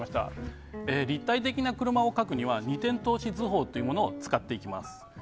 立体的な車を描くには二点透視図法を使っていきます。